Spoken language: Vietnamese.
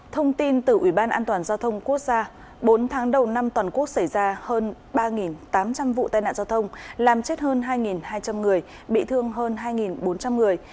thông tin từ ủy ban an toàn giao thông quốc gia bốn tháng đầu năm toàn quốc xảy ra hơn ba tám trăm linh vụ tai nạn giao thông làm chết hơn hai hai trăm linh người bị thương hơn hai bốn trăm linh người